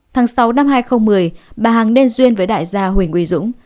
tháng sáu năm hai nghìn một mươi bà hằng nên duyên với đại gia huỳnh uy dũng